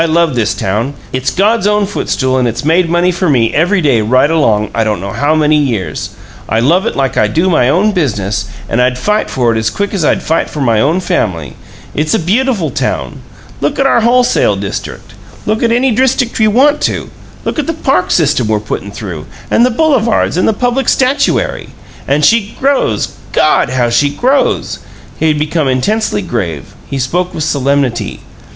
I love this town. It's God's own footstool, and it's made money for me every day right along, I don't know how many years. I love it like I do my own business, and I'd fight for it as quick as I'd fight for my own family. It's a beautiful town. Look at our wholesale district; look at any district you want to; look at the park system we're puttin' through, and the boulevards and the public statuary. And she grows. God! how she grows!" He had become intensely grave; he spoke with solemnity.